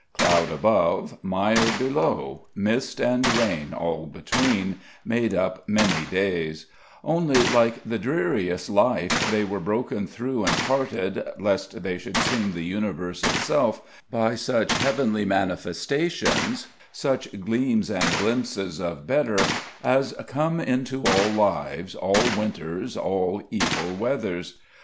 Cloud above, mire below, mist and rain all between, made up many days; only, like the dreariest life, they were broken through and parted, lest they should seem the universe itself, by such heavenly manifestations, such gleams and glimpses of better, as come into all lives, all winters, all evil weathers.